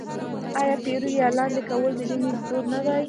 آیا پېروی یا لاندی کول د ژمي دود نه دی؟